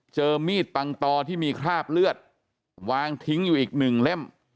เจอมีดปังตอที่มีคราบเลือดวางทิ้งอยู่อีกหนึ่งเล่ม